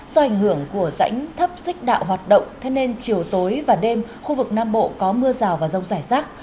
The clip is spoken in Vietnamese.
do ảnh hưởng của rãnh thấp xích đạo hoạt động thế nên chiều tối và đêm khu vực nam bộ có mưa rào và rông rải rác